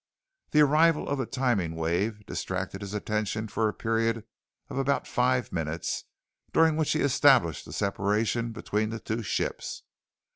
The arrival of the timing wave distracted his attention for a period of about five minutes during which he established the separation between the two ships.